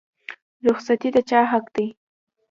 رخصتي د چا حق دی؟